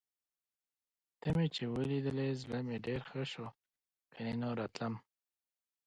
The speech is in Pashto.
ته مې چې ولیدې، زړه مې ډېر ښه شو. کني نوره تلم.